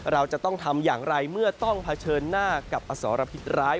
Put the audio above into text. เราจะต้องทำอย่างไรเมื่อต้องเผชิญหน้ากับอสรพิษร้าย